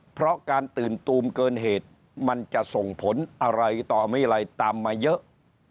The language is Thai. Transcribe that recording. เพราะการตื่นตูมเกินเหตุมันจะส่งผลอะไรต่อไม่ไรตามมาเยอะ